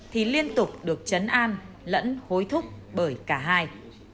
thì liên tục được chấn an lẫn hối thúc bởi cả hai